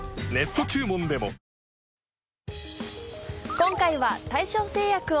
今回は大正製薬を。